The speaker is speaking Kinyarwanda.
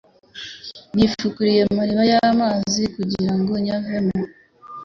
Nifikuriye amariba y'amazi kugirango nyavome